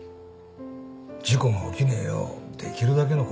事故が起きねえようできるだけのことはやる。